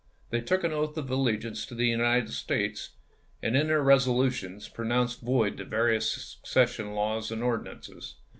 They took an oath of allegiance to the United States ; and in their reso lutions pronounced void the various secession laws and ordinances.